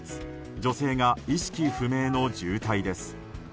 女性が意識不明の重体です。